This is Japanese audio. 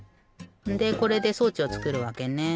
でこれで装置をつくるわけね。